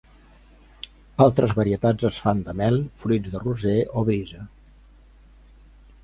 Altres varietats es fan de mel, fruits de roser o brisa.